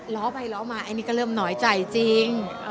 ร้องไปร้องมาอันนี้ก็เริ่มหนอยใจจริง